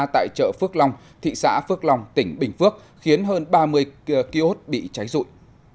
tại chợ phước long thị xã phước long tỉnh bình phước khiến hơn ba mươi kiosk bị cháy rụi